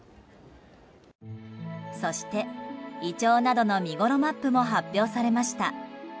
そしてイチョウなどの見ごろマップも発表されました。